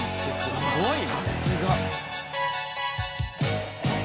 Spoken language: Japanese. すごいね。